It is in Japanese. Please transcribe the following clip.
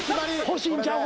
欲しいんちゃう？